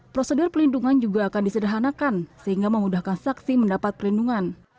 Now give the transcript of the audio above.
prosedur perlindungan juga akan disedahanakan sehingga mengudahkan saksi mendapat perlindungan